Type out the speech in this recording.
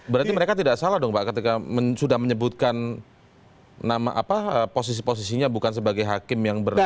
berarti mereka tidak salah dong pak ketika sudah menyebutkan posisi posisinya bukan sebagai hakim yang bernama